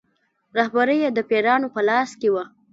رهبري یې د پیرانو په لاس کې وه.